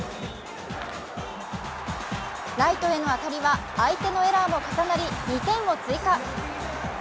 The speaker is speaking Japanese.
ライトへの当たりは相手のエラーも重なり２点を追加。